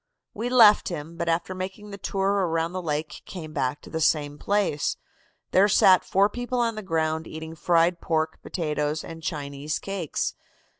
"We left him, but after making the tour around the lake came back to the same place. There sat four people on the ground eating fried pork, potatoes and Chinese cakes.